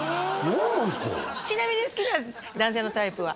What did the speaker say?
ちなみに好きな男性のタイプは？